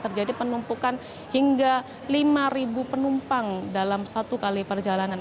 terjadi penumpukan hingga lima penumpang dalam satu kali perjalanan